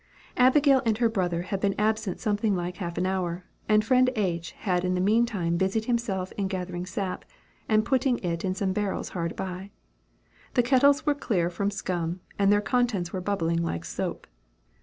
Abigail and her brother had been absent something like half an hour, and friend H. had in the mean time busied himself in gathering sap, and putting it in some barrels hard by. The kettles were clear from scum, and their contents were bubbling like soap.